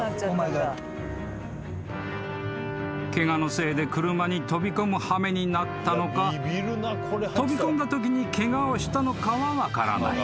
［ケガのせいで車に飛び込む羽目になったのか飛び込んだときにケガをしたのかは分からない］